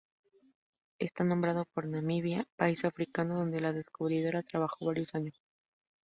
Está nombrado por Namibia, país africano donde la descubridora trabajó varios años.